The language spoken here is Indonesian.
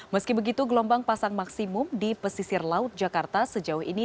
meski begitu gelombang pasang maksimum di pesisir laut jakarta sejauh ini